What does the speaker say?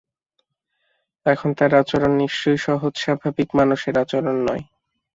এখন তাঁর আচরণ নিশ্চয়ই সহজ-স্বাভাবিক মানুষের আচরণ নয়।